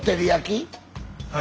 はい。